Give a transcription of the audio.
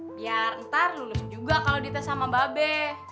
biar ntar lulus juga kalo dites sama bau petai